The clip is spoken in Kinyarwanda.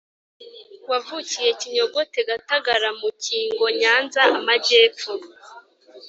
wavukiye Kinyogote GatagaraMukingo Nyanza Amajyepfo